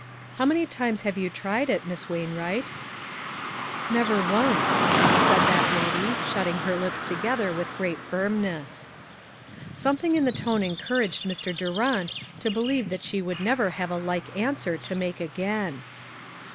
How many times have you tried it, Miss AVainwright ?"^" Never once," said that lady, shutting her lips together with great firmness. Something in the tone encouraged Mr. Durant to believe that she would never have a like answer to make again.